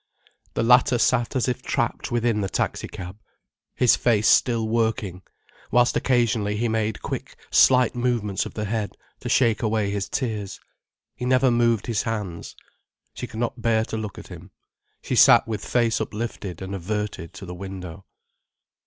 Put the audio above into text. The latter sat as if trapped within the taxi cab, his face still working, whilst occasionally he made quick slight movements of the head, to shake away his tears. He never moved his hands. She could not bear to look at him. She sat with face uplifted and averted to the window.